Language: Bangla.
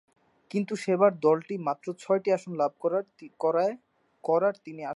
কিন্তু সেবার দলটি মাত্র ছয়টি আসন লাভ করার তিনি তার আসন হারান।